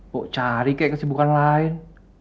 bu cari kayak kesibukan lain